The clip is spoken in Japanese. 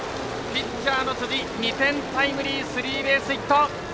ピッチャーの辻２点タイムリースリーベースヒット。